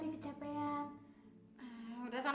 lanjut kita lihat dong ratanya